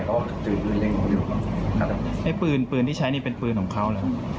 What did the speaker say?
เขาก็ตื่นฟื้นเร่งของดิวครับครับไอ้ฟื้นฟื้นที่ใช้นี่เป็นฟื้นของเขาหรือ